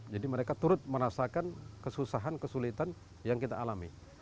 jadi mereka turut merasakan kesusahan kesulitan yang kita alami